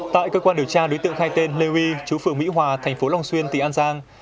tại cơ quan điều tra đối tượng khai tên lê huy chú phường mỹ hòa thành phố long xuyên tỉnh an giang